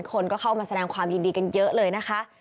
คนก็เข้ามาแสดงความยินดีกันเยอะเลยนะคะ